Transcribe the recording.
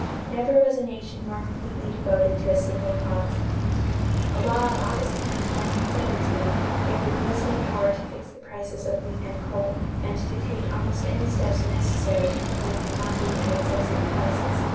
Never was a nation more completely devoted to a single cause. A law of August 10, 1917, gave the President power to fix the prices of wheat and coal and to take almost any steps necessary to prevent monopoly and excessive prices.